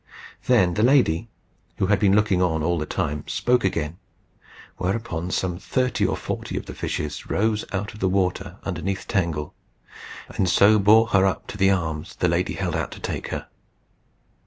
Then the lady, who had been looking on all the time, spoke again; whereupon some thirty or forty of the fishes rose out of the water underneath Tangle, and so bore her up to the arms the lady held out to take her.